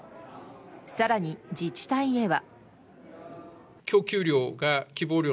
更に、自治体へは。